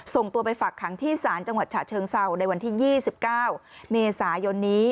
ส่งตัวไปฝักขังที่ศาลจังหวัดฉะเชิงเศร้าในวันที่๒๙เมษายนนี้